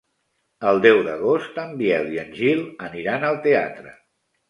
El deu d'agost en Biel i en Gil aniran al teatre.